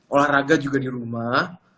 olahraga juga di rumah